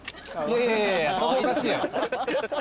いやいやいやそこおかしいやん。